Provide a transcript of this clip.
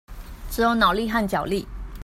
只有腦力和腳力